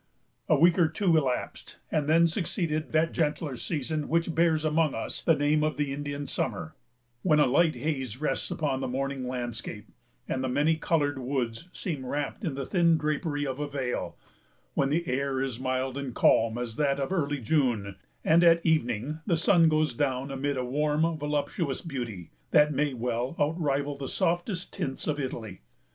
A week or two elapsed, and then succeeded that gentler season which bears among us the name of the Indian summer; when a light haze rests upon the morning landscape, and the many colored woods seem wrapped in the thin drapery of a veil; when the air is mild and calm as that of early June, and at evening the sun goes down amid a warm, voluptuous beauty, that may well outrival the softest tints of Italy.